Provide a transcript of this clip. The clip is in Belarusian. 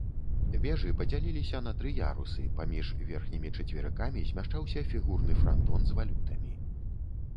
Вежы падзяліліся на тры ярусы, паміж верхнімі чацверыкамі змяшчаўся фігурны франтон з валютамі.